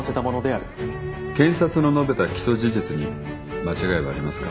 検察の述べた起訴事実に間違いはありますか？